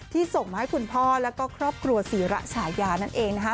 ส่งมาให้คุณพ่อแล้วก็ครอบครัวศรีระฉายานั่นเองนะคะ